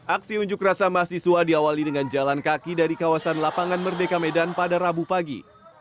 aksi unjuk rasa mahasiswa diawali dengan jalan kaki dari kawasan lapangan merdeka medan pada rabu pagi